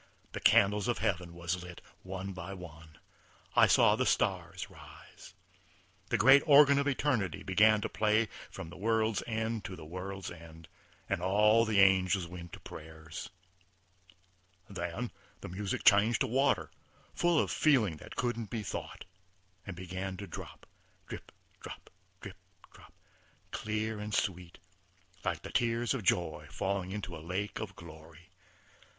The candles of heaven was lit, one by one; I saw the stars rise. The great organ of eternity began to play from the world's end to the world's end, and all the angels went to prayers.... Then the music changed to water, full of feeling that couldn't be thought, and began to drop drip, drop drip, drop, clear and sweet, like tears of joy falling into a lake of glory.